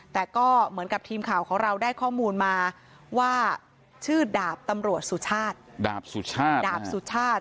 แต่ก็เหมือนกับทีมข่าวของเราได้ข้อมูลมาว่าชื่อดาบตำรวจสุชาติดาบสุชาติดาบสุชาติ